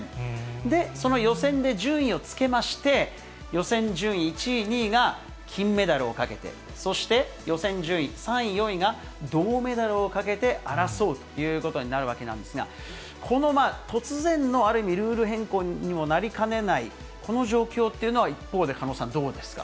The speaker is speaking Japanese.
で、その予選で順位をつけまして、予選順位１位、２位が金メダルを懸けて、そして、予選順位３位、４位が銅メダルを懸けて争うということになるわけなんですが、この突然のある意味、ルール変更にもなりかねない、この状況っていうのは一方で狩野さん、どうですか？